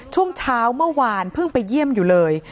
ช่วงเช้าเมื่อวานเพิ่งไปเยี่ยมอยู่เลย